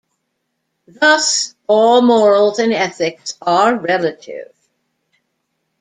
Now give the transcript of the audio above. Thus all morals and ethics are relative.